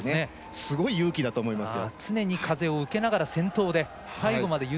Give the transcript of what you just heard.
すごい勇気だと思いますよ。